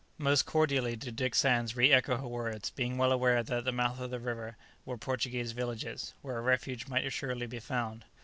Most cordially did Dick Sands re echo her words, being well aware that at the mouth of that river were Portuguese villages, where a refuge might assuredly be found.